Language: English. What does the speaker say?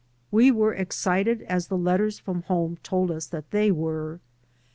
We were excited as the letters from home told us that they were.